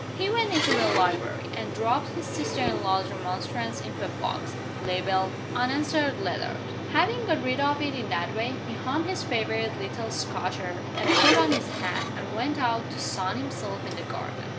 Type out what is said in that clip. He went into the library, and dropped his sister in law's remonstrance into a box, labeled "Unanswered Letters." Having got rid of it in that way, he hummed his favorite little Scotch air and put on his hat, and went out to sun himself in the garden.